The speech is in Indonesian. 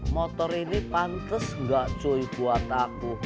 motor ini pantes gak cuy buat aku